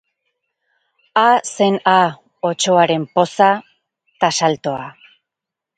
Ha zen ha otsoaren poza ta saltoa!